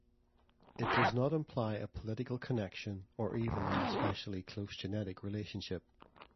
It does not imply a political connection or even an especially close genetic relationship.